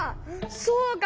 そうか。